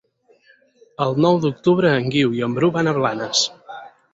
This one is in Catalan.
El nou d'octubre en Guiu i en Bru van a Blanes.